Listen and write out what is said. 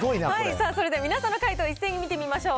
それでは皆さんの解答を一斉に見てみましょう。